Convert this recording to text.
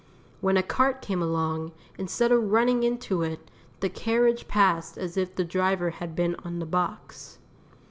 When a cart came along, instead of running into it, the carriage passed as if the driver had been on the box.